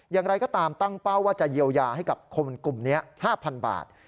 อย่างไรก็ตามตั้งเป้าว่าจะเยียวยาให้กับคนกลุ่มนี้๕๐๐๐บาท